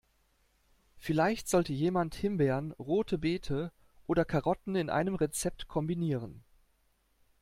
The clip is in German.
Vielleicht sollte jemand Himbeeren, Rote Beete oder Karotten in einem Rezept kombinieren.